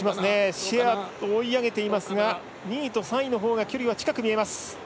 シェアが追い上げていますが２位と３位のほうが距離は近く見えます。